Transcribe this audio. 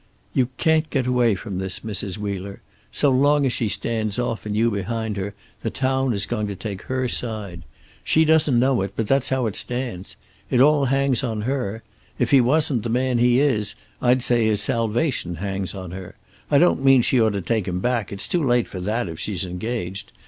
"You can't get away from this, Mrs. Wheeler. So long as she stands off, and you behind her, the town is going to take her side. She doesn't know it, but that's how it stands. It all hangs on her. If he wasn't the man he is, I'd say his salvation hangs on her. I don't mean she ought to take him back; it's too late for that, if she's engaged.